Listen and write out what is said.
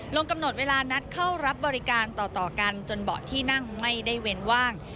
ลงกำหนดเวลานัดเข้ารับบริการต่อกันจนเบาะที่นั่งไม่ได้เว้นว่าง